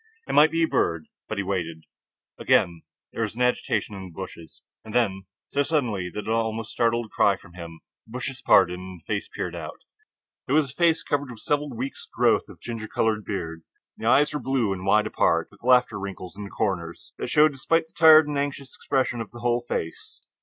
It might be a bird. But he waited. Again there was an agitation of the bushes, and then, so suddenly that it almost startled a cry from him, the bushes parted and a face peered out. It was a face covered with several weeks' growth of ginger colored beard. The eyes were blue and wide apart, with laughter wrinkles in the comers that showed despite the tired and anxious expression of the whole face.